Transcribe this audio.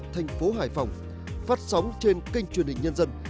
thành phố hải phòng phát sóng trên kênh truyền hình nhân dân